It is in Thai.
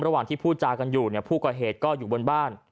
ระหว่างที่พูดจากันอยู่เนี่ยผู้ก่อเหตุก็อยู่บนบ้าน